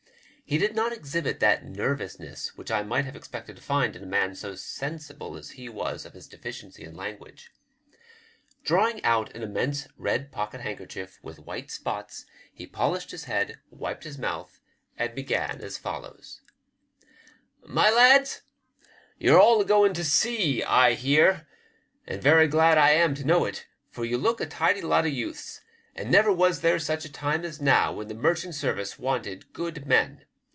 He did not exhibit that nervousness which I might have expected to find in a man so sensible as be was of bis deficiency in language. Drawing out an immense red pocket hand kerchief with white spots, be polished his head, wiped bis mouth, and began as follows :— "My lads — You're all a going to sea, I bear, and very glad I am to know it, for you look a tidy lot of youths, and never was there such a time as now when the marcbant sarvice wanted good men.